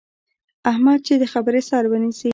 احمد چې د خبرې سر ونیسي،